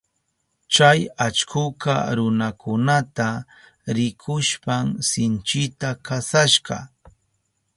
Chay allkuka runakunata rikushpan sinchita kasashka.